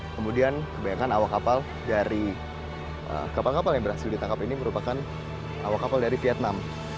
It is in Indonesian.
kemudian kebanyakan awak kapal dari kapal kapal yang berhasil ditangkap ini merupakan awak kapal dari vietnam